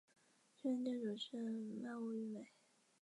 现任店主是鳗屋育美。